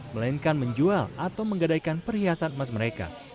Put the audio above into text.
melainkan menjual atau menggadaikan perhiasan emas mereka